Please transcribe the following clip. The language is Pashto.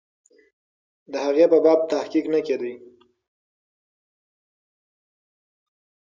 د هغې په باب تحقیق نه کېده.